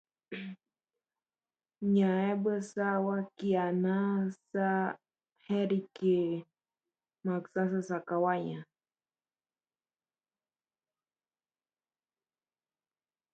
también nosotros debemos poner nuestras vidas por los hermanos.